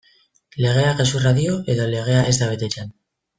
Legeak gezurra dio edo legea ez da betetzen?